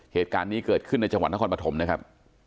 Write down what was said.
เหตุการณ์นี้เกิดขึ้นในจังหวัดนครปฐมนะครับ